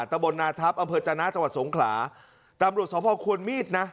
ตะบนนาทัพอำเภอจนะจังหวัดสงขลาตำรวจสมภาพควรมีดนะ